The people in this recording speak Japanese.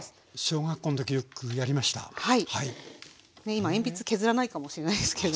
今鉛筆削らないかもしれないですけども。